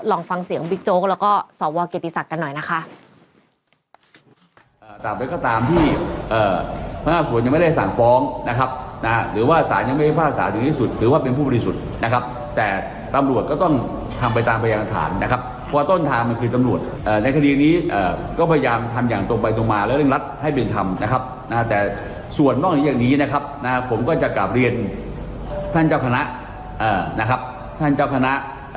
ลองฟังเสียงบิ๊กโจ๊กแล้วก็สอบว่ากิจสักกันหน่อยนะคะ